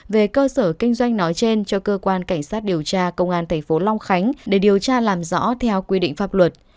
về cơ sở kinh doanh nói trên cho cơ quan cảnh sát điều tra công an tp long khánh để điều tra làm rõ theo quy định pháp luật